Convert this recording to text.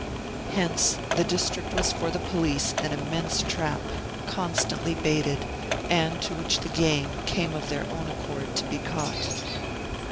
Hence, the district was for the police an immense trap, constantly baited, and to which the game came of their own accord to be caught.